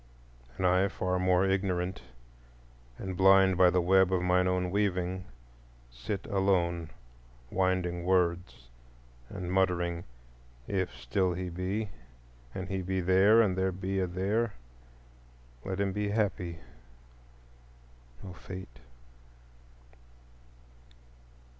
And I, far more ignorant, and blind by the web of mine own weaving, sit alone winding words and muttering, "If still he be, and he be There, and there be a There, let him be happy, O Fate!"